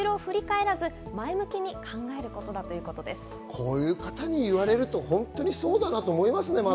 こういう方に言われると本当にそうだなと思いますね。